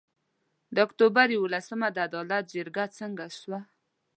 د اُکټوبر یولسمه د عدالت جرګه څنګه سوه؟